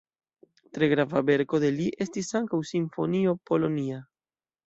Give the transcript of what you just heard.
Tre grava verko de li estis ankaŭ simfonio "Polonia".